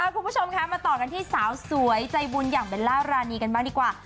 คุณผู้ชมคะมาต่อกันที่สาวสวยใจบุญอย่างเบลล่ารานีกันบ้างดีกว่า